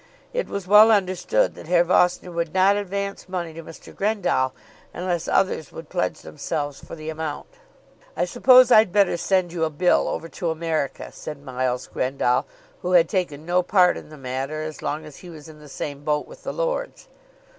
It was well understood that Herr Vossner would not advance money to Mr. Grendall unless others would pledge themselves for the amount. "I suppose I'd better send you a bill over to America," said Miles Grendall, who had taken no part in the matter as long as he was in the same boat with the lords.